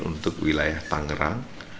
untuk wilayah tangerang